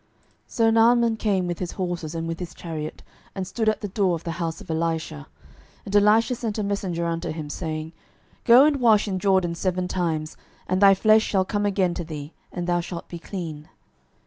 12:005:009 So Naaman came with his horses and with his chariot, and stood at the door of the house of Elisha. 12:005:010 And Elisha sent a messenger unto him, saying, Go and wash in Jordan seven times, and thy flesh shall come again to thee, and thou shalt be clean.